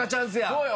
そうよ。